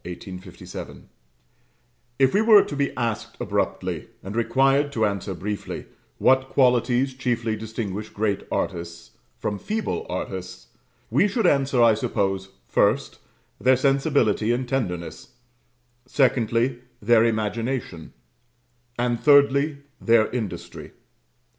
_ If we were to be asked abruptly, and required to answer briefly, what qualities chiefly distinguish great artists from feeble artists, we should answer, I suppose, first, their sensibility and tenderness; secondly, their imagination; and thirdly, their industry.